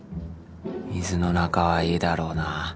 水の中はいいだろうなぁ。